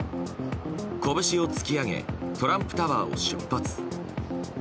拳を突き上げトランプタワーを出発。